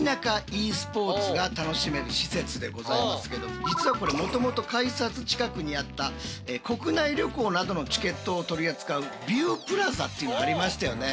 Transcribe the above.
ｅスポーツが楽しめる施設でございますけど実はこれもともと改札近くにあった国内旅行などのチケットを取り扱う「びゅうプラザ」っていうのありましたよね。